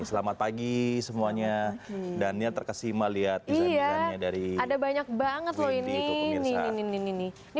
selamat pagi semuanya dan yang terkesima lihat iya dari ada banyak banget loh ini ini ini ini